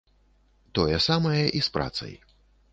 Тое самае і з працай.